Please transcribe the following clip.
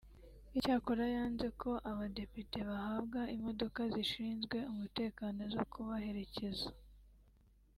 Icyakora yanze ko abadepite bahabwa imodoka zishinzwe umutekano zo kubaherekeza